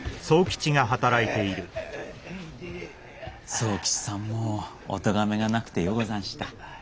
左右吉さんもおとがめがなくてよござんした。